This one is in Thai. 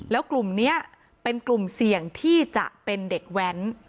แล้วกลุ่มนี้เป็นกลุ่มเสี่ยงที่จะเป็นเด็กแว้น